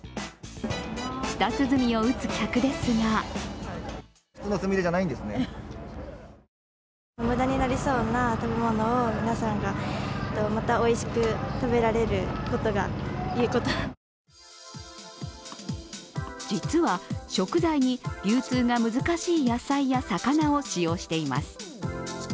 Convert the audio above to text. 舌鼓を打つ客ですが実は、食材に流通が難しい野菜や魚を使用しています。